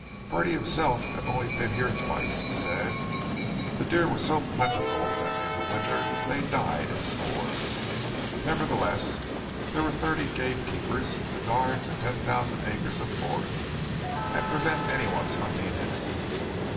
Bertie himself had only been here twice, he said. The deer were so plentiful that in the winter they died in scores. Nevertheless there were thirty game keepers to guard the ten thousand acres of forest, and prevent anyone's hunting in it.